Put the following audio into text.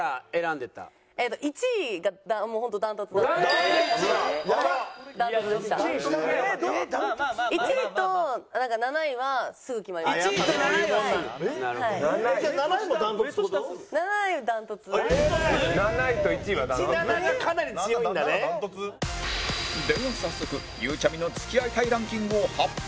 では早速ゆうちゃみの付き合いたいランキングを発表！